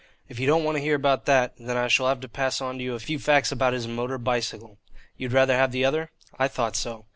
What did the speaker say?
If you don't want to hear about that, then I shall have to pass on to you a few facts about his motor bicycle. You'd rather have the other? I thought so.